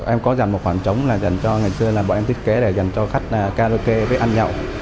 em có dành một khoảng trống là dành cho ngày xưa là bọn em thiết kế là dành cho khách karaoke với ăn nhậu